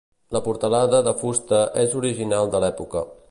La portalada de fusta és original de l'època.